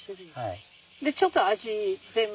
ちょっと味全部。